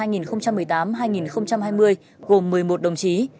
gồm một mươi một đồng chí